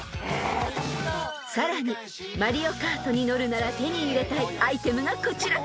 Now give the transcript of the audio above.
［さらにマリオカートに乗るなら手に入れたいアイテムがこちら］